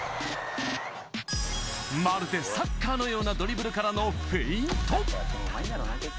まるでサッカーのようなドリブルからのフェイント。